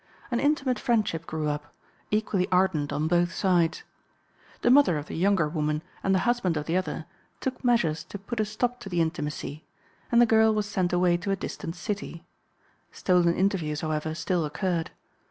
An intimate friendship grew up, equally ardent on both sides. The mother of the younger woman and the husband of the other took measures to put a stop to the intimacy, and the girl was sent away to a distant city; stolen interviews, however, still occurred.